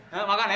hah makan ya